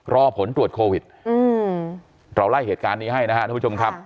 รอผลตรวจโควิดเราไล่เหตุการณ์นี้ให้นะครับท่านผู้ชมครับ